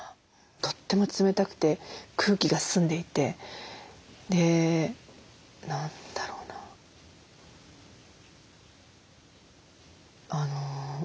とっても冷たくて空気が澄んでいてで何だろうなあの。